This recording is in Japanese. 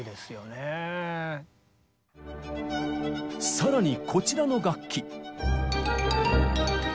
更にこちらの楽器。